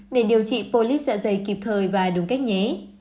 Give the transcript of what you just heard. để điều trị polyp dạ dày kịp thời và đúng cách nhé